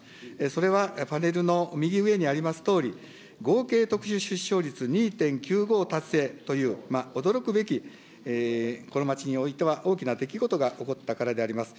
それはパネルの右上にありますとおり、合計特殊出生率２．９５達成という、驚くべき、この町においては大きな出来事が起こったからであります。